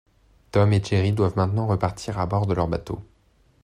Tom et Jerry doivent maintenant repartir à bord de leur bateau.